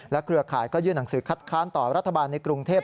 เครือข่ายก็ยื่นหนังสือคัดค้านต่อรัฐบาลในกรุงเทพ